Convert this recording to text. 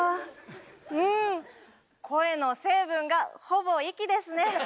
うーん声の成分がほぼ息ですね